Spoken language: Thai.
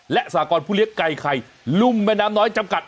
และสากรผู้เลี้ยงไก่ไข่ลุ่มแม่น้ำน้อยจำกัด